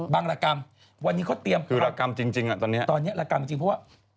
รกรรมวันนี้เขาเตรียมคือรากรรมจริงจริงอ่ะตอนเนี้ยตอนเนี้ยรากรรมจริงเพราะว่า